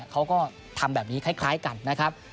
เขาก็ทำแบบนี้คล้ายกันนะครับ